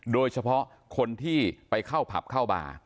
โดยเฉพาะคนที่ไปเข้าผับเข้าบาร์